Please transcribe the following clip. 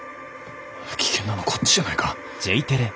危険なのはこっちじゃないか。